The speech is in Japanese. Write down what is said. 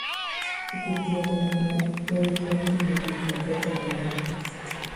北陸や東北の大雪やふぶきのピークは越えたとみられる